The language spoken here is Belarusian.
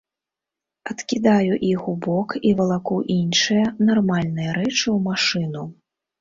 Адкідаю іх у бок і валаку іншыя, нармальныя рэчы ў машыну.